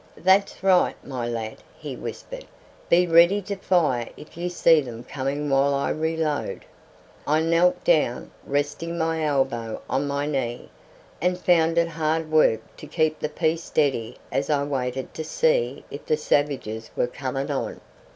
"That's right, my lad!" he whispered; "be ready to fire if you see them coming while I reload." I knelt down, resting my elbow on my knee, and found it hard work to keep the piece steady as I waited to see if the savages were coming on.